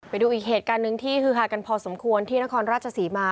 ไปดูอีกเหตุการณ์หนึ่งที่ฮือฮากันพอสมควรที่นครราชศรีมา